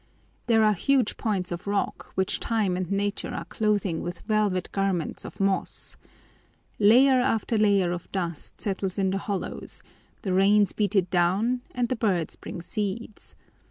There are huge points of rock which time and nature are clothing with velvet garments of moss. Layer after layer of dust settles in the hollows, the rains beat it down, and the birds bring seeds.